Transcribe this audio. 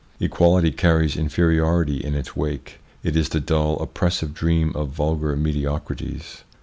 Equality carries inferiority in its wake ; it is the dull, oppressive dream of vulgar mediocrities.